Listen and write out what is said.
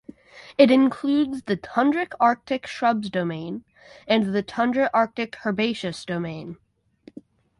It includes the tundra arctic shrubs domain and the tundra arctic herbaceous domain.